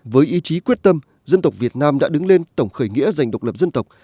với ý chí quyết tâm dân tộc việt nam đã đứng lên tổng khởi nghĩa dành độc lập dân tộc